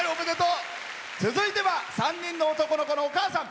続いては３人の男の子のお母さん。